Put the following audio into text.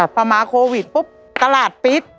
พอมาโควิดปุ๊บตลาดปิด